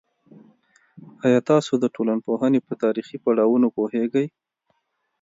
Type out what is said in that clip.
ایا تاسو د ټولنپوهنې په تاریخي پړاوونو پوهیږئ؟